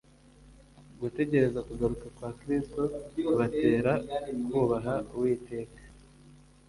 Gutegereza kugaruka kwa Kristo kubatera kubaha Uwiteka